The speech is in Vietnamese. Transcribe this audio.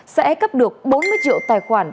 sẽ cấp được bốn mươi triệu tài khoản